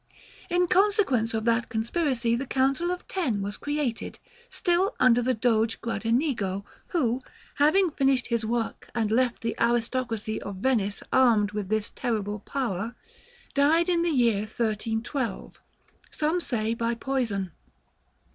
In consequence of that conspiracy the Council of Ten was created, still under the Doge Gradenigo; who, having finished his work and left the aristocracy of Venice armed with this terrible power, died in the year 1312, some say by poison.